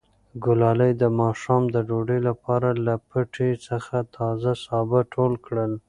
ګلالۍ د ماښام د ډوډۍ لپاره له پټي څخه تازه سابه ټول کړل.